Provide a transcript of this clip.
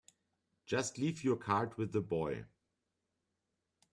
Just leave your card with the boy.